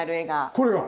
これが？